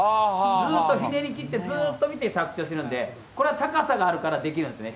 ずっとひねりきって、ずっと見て、着地をするんで、これは高さがあるからできるんですね。